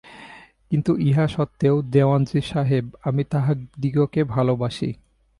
কিন্তু ইহা সত্ত্বেও দেওয়ানজী সাহেব, আমি তাহাদিগকে ভালবাসি।